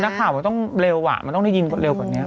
นักข่าวมันต้องเร็วอ่ะมันต้องได้ยินเร็วกว่านี้